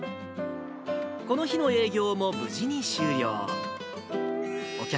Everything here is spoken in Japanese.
この日の営業も無事に終了。